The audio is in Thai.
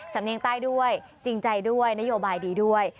สำเนียงใต้ด้วยจริงใจด้วยนโยบายดีด้วย